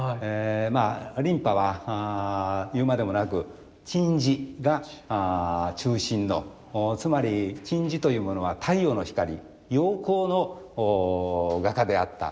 まあ琳派は言うまでもなく金地が中心のつまり金地というものは太陽の光陽光の画家であった。